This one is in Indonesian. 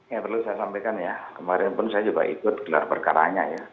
yang perlu saya sampaikan ya kemarin pun saya juga ikut gelar perkaranya ya